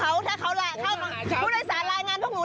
อ้าวแล้วจะให้ถ้าเขารายงานพวกนู้น